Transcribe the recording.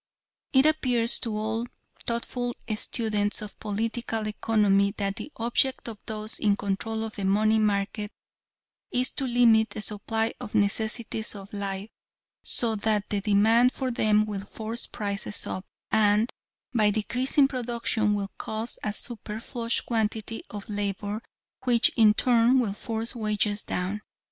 It appears to all thoughtful students of political economy that the object of those in control of the money markets is to limit the supply of necessities of life, so that the demand for them will force prices up, and, by decreasing production, will cause a superfluous quantity of labor, which, in turn, will force wages down.